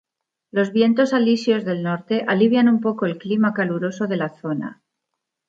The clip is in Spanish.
Los vientos alisios del norte alivian un poco el clima caluroso de la zona.